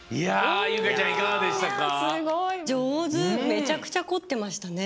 めちゃくちゃこってましたね。